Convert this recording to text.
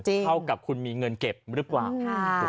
เท่ากับคุณมีเงินเก็บหรือเปล่า